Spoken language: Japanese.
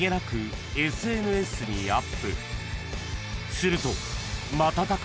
［すると］